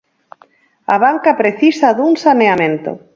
A banca precisa dun saneamento.